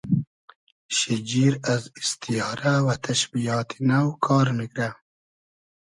شیجیر از ایستیارۂ و تئشبیات نۆ کار میگرۂ